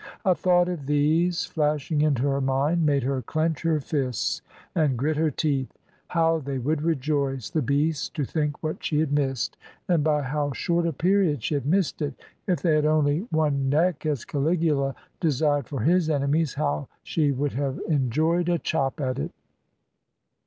A thought of these flashing into her mind made her clench her fists and grit her teeth. How they would rejoice, the beasts, to think what she had missed, and by how short a period she had missed it! If they had only one neck, as Caligula desired for his enemies, how she would have enjoyed a chop at it!